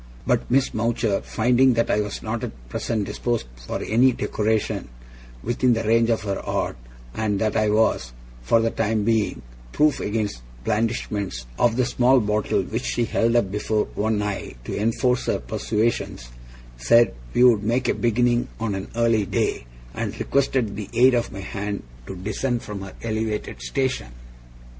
But Miss Mowcher, finding that I was not at present disposed for any decoration within the range of her art, and that I was, for the time being, proof against the blandishments of the small bottle which she held up before one eye to enforce her persuasions, said we would make a beginning on an early day, and requested the aid of my hand to descend from her elevated station.